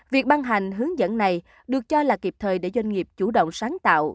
việc ban hành hướng dẫn này được cho là kịp thời để doanh nghiệp chủ động sáng tạo